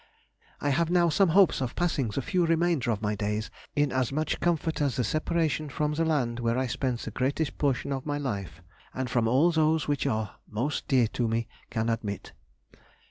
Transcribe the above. I have now some hopes of passing the few remainder of my days in as much comfort as the separation from the land where I spent the greatest portion of my life, and from all those which are most dear to me, can admit.